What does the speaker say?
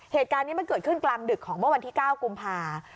เหตุการณ์นี้มันเกิดขึ้นกลางดึกของเมื่อวันที่๙กุมภา